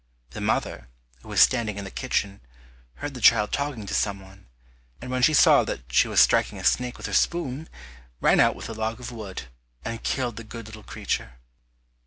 The mother, who was standing in the kitchen, heard the child talking to someone, and when she saw that she was striking a snake with her spoon, ran out with a log of wood, and killed the good little creature.